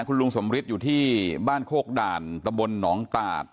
คุณลุงสมฤทธิ์อยู่ที่บ้านโคกด่านตะบลหนองตาด